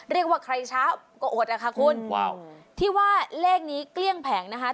เรียกว่าใครเช้าก็อดนะคะคุณว้าวที่ว่าเลขนี้เกลี้ยงแผงนะคะ